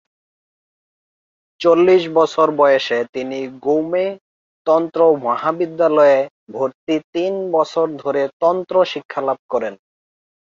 চল্লিশ বছর বয়সে তিনি গ্যুমে তন্ত্র মহাবিদ্যালয়ে ভর্তি তিন বছর ধরে তন্ত্র শিক্ষালাভ করেন।